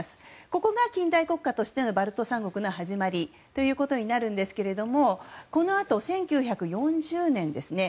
ここが近代国家としてのバルト三国の始まりとなりますがこのあと１９４０年ですね。